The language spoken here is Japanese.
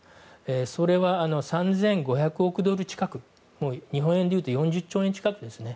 それは３５００億ドル近く日本円で４０兆円近くですね